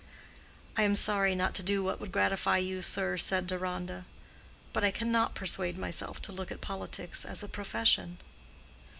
"I am sorry not to do what would gratify you, sir," said Deronda. "But I cannot persuade myself to look at politics as a profession."